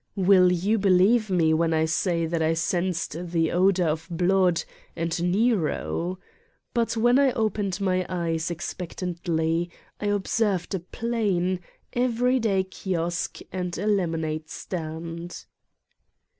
Will you believe me when I say that I sensed the odor of blood and Nero? But when I opened my eyes expectantly I observed a plain, everyday kiosk and a lemonade stand.